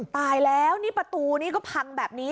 ตายแล้วนี่ประตูนี้ก็พังแบบนี้